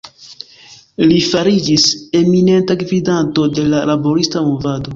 Li fariĝis eminenta gvidanto en la laborista movado.